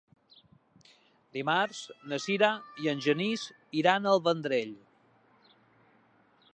Dimarts na Sira i en Genís iran al Vendrell.